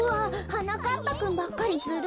はなかっぱくんばっかりずるい！